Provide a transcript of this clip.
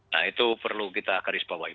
nah itu perlu kita garis bawahi